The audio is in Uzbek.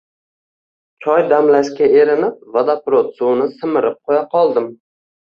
Choy damlashga erinib, vodoprovod suvini simirib qo`ya qoldim